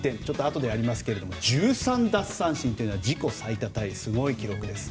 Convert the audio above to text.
後でやりますけれども１３奪三振というのは自己最多タイのすごい記録です。